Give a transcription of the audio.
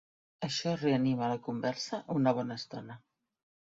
Això reanima la conversa una bona estona.